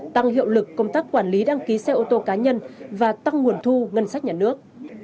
tăng hiệu lực công tác quản lý đăng ký xe ô tô cá nhân và tăng nguồn thu ngân sách nhà nước